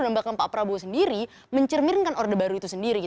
dan bahkan pak prabowo sendiri mencerminkan order baru itu sendiri